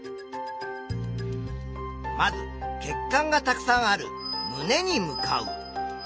まず血管がたくさんある胸に向かう。